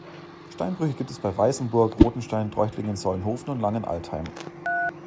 Steinbrüche gibt es bei Weißenburg, Rothenstein, Treuchtlingen, Solnhofen und Langenaltheim.